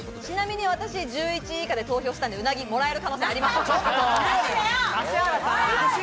私、１１位以下で投票したんで、うなぎもらえる可能性あります。